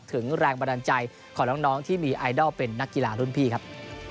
แรงบันดาลใจของน้องที่มีไอดอลเป็นนักกีฬารุ่นพี่ครับ